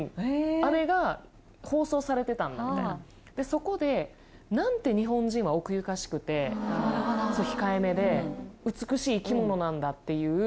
「あれが放送されてたんだ」みたいなでそこで「なんて日本人は奥ゆかしくて」「控えめで美しい生き物なんだっていうふうに」